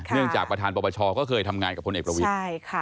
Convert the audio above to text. เนื่องจากประธานปปชเคยทำงานกับพลเอกประวิทธิ์